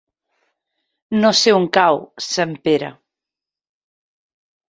No sé on cau Sempere.